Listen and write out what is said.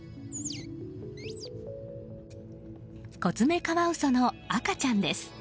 コツメカワウソの赤ちゃんです。